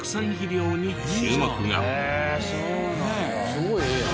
すごいええやん。